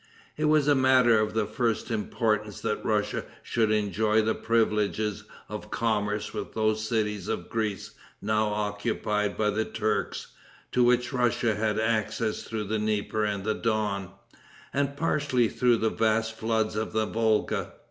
It was a matter of the first importance that Russia should enjoy the privileges of commerce with those cities of Greece now occupied by the Turks, to which Russia had access through the Dnieper and the Don, and partially through the vast floods of the Volga.